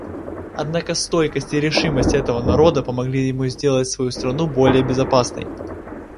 Однако стойкость и решимость этого народа помогли ему сделать свою страну более безопасной.